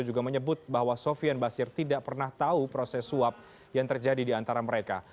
juga menyebut bahwa sofian basir tidak pernah tahu proses suap yang terjadi di antara mereka